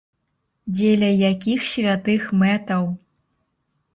Дзеля якіх святых мэтаў?